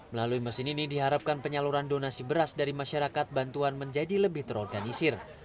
melalui mesin ini diharapkan penyaluran donasi beras dari masyarakat bantuan menjadi lebih terorganisir